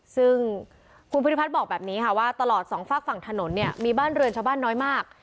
ซึ่งคุณพุทธิพัฒน์บอกแบบนี้ค่ะว่าตลอดสองฝากฝั่งถนนเนี่ยมีบ้านเรือนชาวบ้านน้อยมาก